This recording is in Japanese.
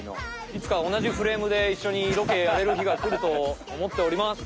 いつかおなじフレームでいっしょにロケやれるひがくると思っております。